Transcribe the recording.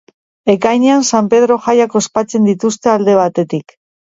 Ekainean San Pedro jaiak ospatzen dituzte alde batetik.